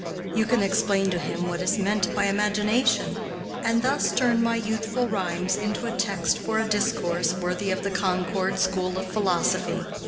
You can explain to him what is meant by imagination, and thus turn my youthful rhymes into a text for a discourse worthy of the Concord School of Philosophy.